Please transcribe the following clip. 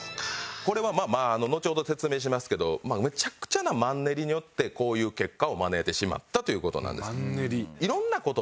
これはまあのちほど説明しますけどむちゃくちゃなマンネリによってこういう結果を招いてしまったという事なんです。